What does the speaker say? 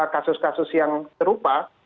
kasus kasus yang terupa